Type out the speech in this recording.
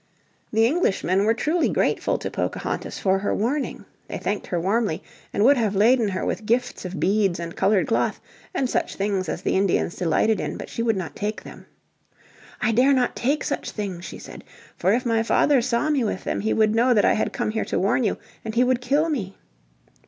The Englishmen were truly grateful to Pocahontas for her warning. They thanked her warmly, and would have laden her with gifts of beads and coloured cloth, and such things as the Indians delighted in, but she would not take them. "I dare not take such things," she said. "For if my father saw me with them he would know that I had come here to warn you, and he would kill me."